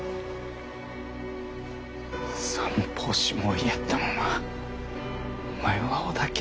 三法師も追いやったままお前は織田家を。